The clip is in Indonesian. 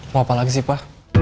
mau apa lagi sih pak